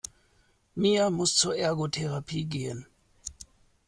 Mia muss zur Ergotherapie gehen.